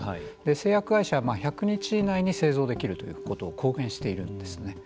製薬会社は１００日以内に製造できるということを公言しているんですね。